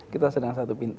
kita sedang satu pintu